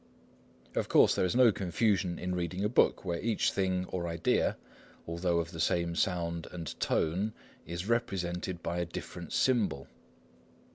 Of course there is no confusion in reading a book, where each thing or idea, although of the same sound and tone, is represented by a different symbol.